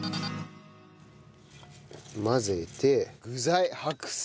混ぜて具材白菜。